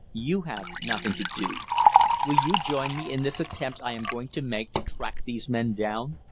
You have nothing to do. Will you join me in this attempt I am going to make to track these men down?